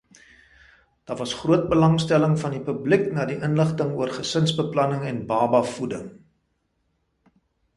Daar was groot belangstelling van die publiek na die inligting oor Gesinsbeplanning en Babavoeding.